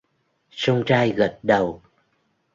Song trai gật đầu